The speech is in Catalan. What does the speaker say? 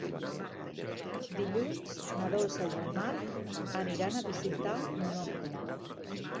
Dilluns na Dolça i en Marc aniran a visitar mon oncle.